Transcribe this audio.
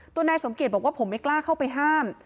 นายสมเกียจบอกว่าผมไม่กล้าเข้าไปห้าม